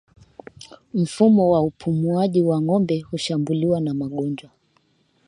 Mfumo wa upumuaji wa ngombe hushambuliwa na magonjwa